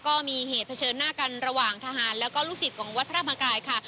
ก็มีเหตุเผชิญหน้ากันระหว่างทหารแล้วก็ลูกศิษย์ของวัดพระธรรมกายค่ะ